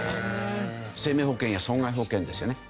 生命保険や損害保険ですよね。